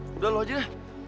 sudahlah kamu saja